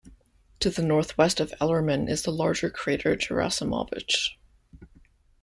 To the northwest of Ellerman is the larger crater Gerasimovich.